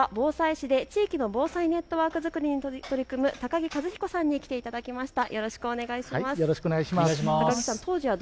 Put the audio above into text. きょうは防災士で地域の防災ネットワーク作りに取り組む高木一彦さんに来ていただきました。